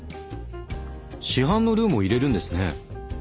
市販のルーも入れるんですね？